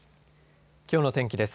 きょうの天気です。